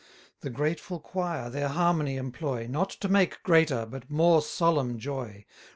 The grateful choir their harmony employ, Not to make greater, but more solemn joy.